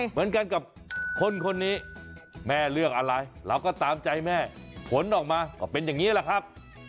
เหมือนกันกับคนคนนี้แม่เลือกอะไรเราก็ตามใจแม่ผลออกมาก็เป็นอย่างนี้แหละครับ